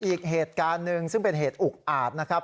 อีกเหตุการณ์หนึ่งซึ่งเป็นเหตุอุกอาจนะครับ